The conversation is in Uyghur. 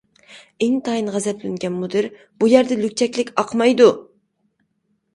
ئىنتايىن غەزەپلەنگەن مۇدىر:-بۇ يەردە لۈكچەكلىك ئاقمايدۇ!